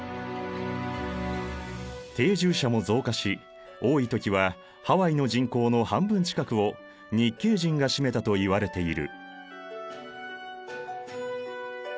定住者も増加し多い時はハワイの人口の半分近くを日系人が占めたといわれている。